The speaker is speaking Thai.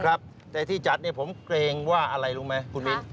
ครับแต่ที่จัดเนี่ยผมเกรงว่าอะไรรู้ไหมคุณมิ้น